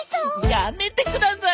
やめてください。